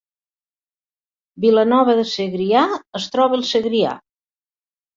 Vilanova de Segrià es troba al Segrià